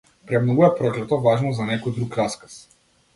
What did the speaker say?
Премногу е проклето важно за некој друг расказ.